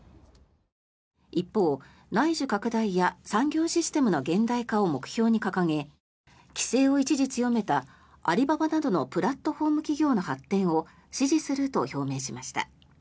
一方、内需拡大や産業システムの現代化を目標に掲げ規制を一時強めたアリババなどのプラットフォーム企業の発展を支持すると表明しました。